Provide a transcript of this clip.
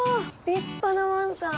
立派なわんさん。